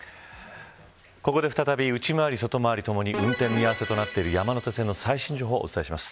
ここで再び内回り、外回り共に運転見合わせとなっている山手線の最新情報をお伝えします。